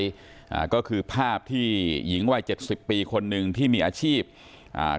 อ่าก็คือภาพที่หญิงวัยเจ็ดสิบปีคนหนึ่งที่มีอาชีพอ่า